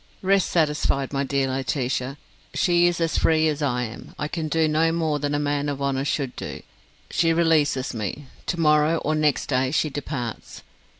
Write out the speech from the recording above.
"Rest satisfied, my dear Laetitia. She is as free as I am. I can do no more than a man of honour should do. She releases me. To morrow or next day she departs.